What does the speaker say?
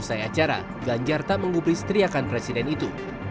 usai acara ganjar tak mengubri seriakan presiden itu